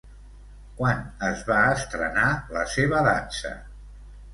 Quan es va estrenar la seva dansa?